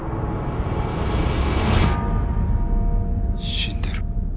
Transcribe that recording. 死んでる。